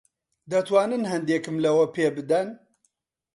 دەتوانن ھەندێکم لەوە پێ بدەن؟